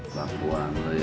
bangkuan lu ya